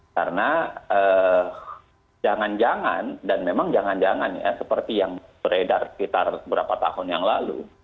karena jangan jangan dan memang jangan jangan ya seperti yang beredar sekitar beberapa tahun yang lalu